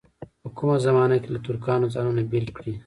په کومه زمانه کې له ترکانو ځانونه بېل کړي.